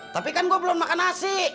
tapi kan gue belum makan nasi